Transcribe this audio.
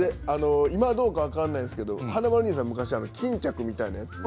今どうか分からないですけど、華丸兄さんが昔、巾着みたいなやつ。